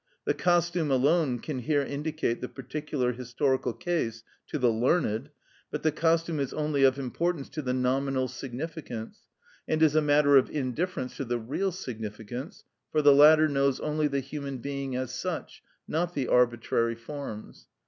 The costume alone can here indicate the particular historical case to the learned; but the costume is only of importance to the nominal significance, and is a matter of indifference to the real significance; for the latter knows only the human being as such, not the arbitrary forms.